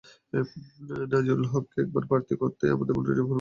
নাজিরুল হককে একক প্রার্থী করতেই আমাদের মনোনয়ন ফরম নিতে বাধা দেওয়া হয়েছে।